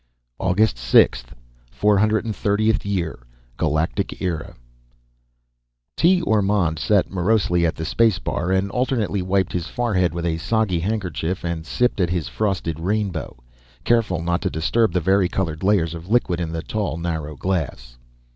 AUGUST 6, 430th Year GALACTIC ERA Tee Ormond sat morosely at the spaceport bar, and alternately wiped his forehead with a soggy handkerchief, and sipped at his frosted rainbow, careful not to disturb the varicolored layers of liquid in the tall narrow glass.